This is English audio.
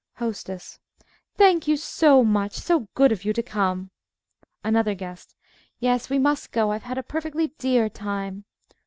HOSTESS Thank you so much! So good of you to come. ANOTHER GUEST Yes, we must go. I've had a perfectly dear time.